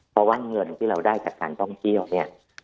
เพราะว่าเงินที่เราได้จากการท่องเที่ยวเนี่ย